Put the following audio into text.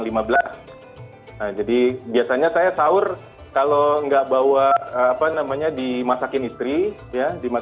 nah jadi biasanya saya sahur kalau nggak bawa apa namanya dimasakin istri ya